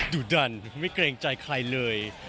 ดุดันไม่เกรงใจใครเลย